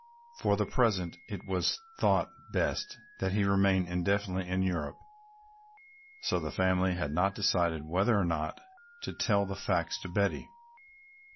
For the present it was thought best that he remain indefinitely in Europe, so the family had not decided whether or not to tell the facts to Betty.